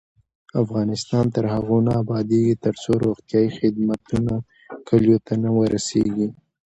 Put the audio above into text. افغانستان تر هغو نه ابادیږي، ترڅو روغتیایی خدمتونه کلیو ته ونه رسیږي.